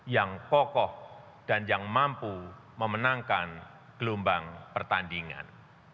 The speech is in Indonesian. yang kokoh dan yang mampu memenangkan gelombang pertandingan